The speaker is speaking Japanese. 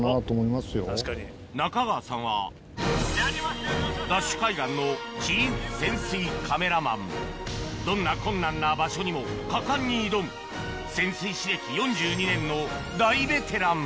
中川さんはどんな困難な場所にも果敢に挑む潜水士歴４２年の大ベテラン